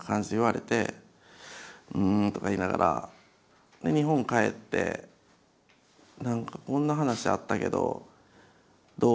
「うん」とか言いながら日本帰って「何かこんな話あったけどどう？」